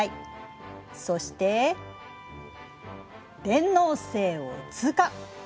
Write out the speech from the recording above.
そして天王星を通過。